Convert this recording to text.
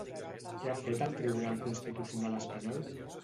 Què ha fet el Tribunal Constitucional espanyol?